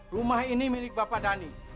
rumah ini milik bapak dhani